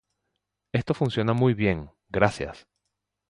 Esto funciona muy bien, ¡gracias!.